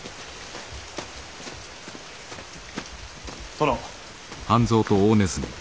殿。